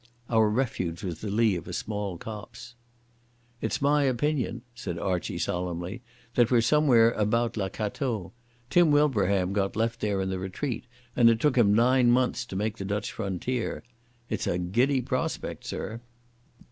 Our refuge was the lee of a small copse. "It's my opinion," said Archie solemnly, "that we're somewhere about La Cateau. Tim Wilbraham got left there in the Retreat, and it took him nine months to make the Dutch frontier. It's a giddy prospect, sir."